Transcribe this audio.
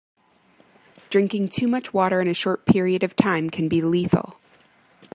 Drinking too much water in a short period of time can be lethal.